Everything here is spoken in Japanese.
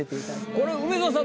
これ梅沢さん